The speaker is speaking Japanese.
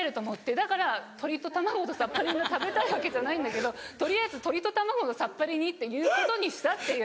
だから鶏と卵のさっぱり煮が食べたいわけじゃないんだけど取りあえず鶏と卵のさっぱり煮って言うことにしたっていう。